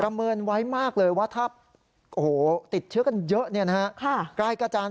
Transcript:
เมินไว้มากเลยว่าถ้าติดเชื้อกันเยอะ